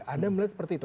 anda melihat seperti itu